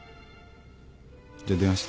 じゃ電話して。